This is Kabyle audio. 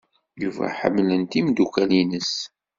Yuba ḥemmlen-t yimeddukal-nnes.